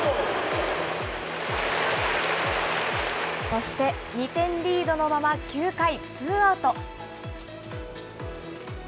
そして、２点リードのまま、９回ツーアウト。